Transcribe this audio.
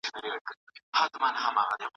ټولنیز حالت د خلکو د ژوند کیفیت نه پټوي.